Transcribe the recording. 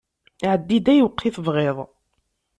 Ɛeddi-d ayweq i tebɣiḍ.